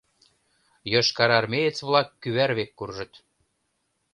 Йошкарармеец-влак кӱвар век куржыт.